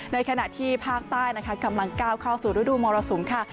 ในขณะที่ภาคใต้นะคะกำลังก้าวเข้าสู่ฤดูมรสุมค่ะ